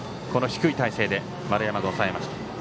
低い体勢で丸山、押さえました。